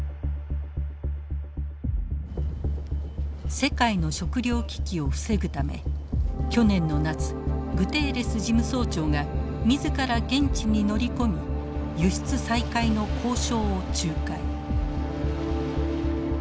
世界の食糧危機を防ぐため去年の夏グテーレス事務総長が自ら現地に乗り込み輸出再開の交渉を仲介。